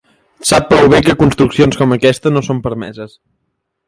Sap prou bé que construccions com aquesta no són permeses.